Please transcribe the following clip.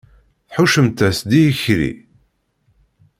Tḥuccemt-as-d i ikerri?